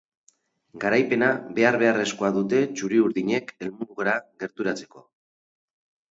Garaipena behar-beharrezkoa dute txuri-urdinek helmugara gerturatzeko.